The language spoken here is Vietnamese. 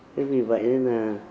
thế vì vậy nên là